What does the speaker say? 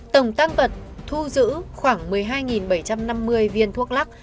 tổng tăng vật thu giữ khoảng một mươi hai bảy trăm năm mươi viên thuốc lắc